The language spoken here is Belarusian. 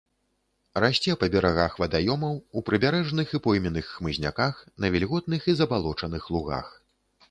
Расце па берагах вадаёмаў, у прыбярэжных і пойменных хмызняках, на вільготных і забалочаных лугах.